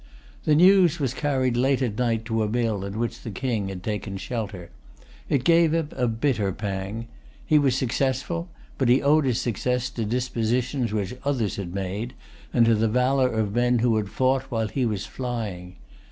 The news was carried late at night to a mill in which the King had taken shelter. It gave him a bitter pang. He was successful; but he owed his success to dispositions which others had made, and to the valor of men who had fought while he was flying.